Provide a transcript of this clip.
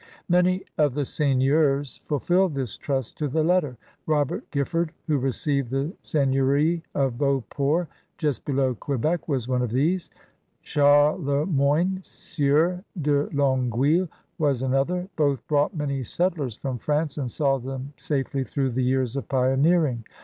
Many of the seigneurs fulfilled this trust to the letter. Robert Giffard, who received the seign eury of Beauport just below Quebec, was one of these; Charles Le Moyne, Sieur de Longueuil, was another. Both brought many settlers from France and saw them safely through the years of pioneering.